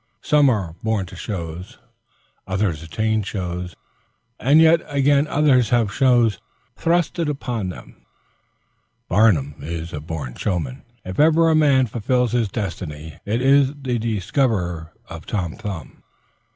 Some are born to shows, others attain shows, and yet again others have shows thrust upon them. Barnum is a born showman. If ever a man fulfills his destiny, it is the discoverer of Tom Thumb.